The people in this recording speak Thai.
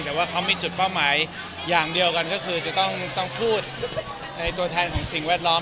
แต่ว่าเขามีจุดเป้าหมายอย่างเดียวกันก็คือจะต้องพูดในตัวแทนของสิ่งแวดล้อม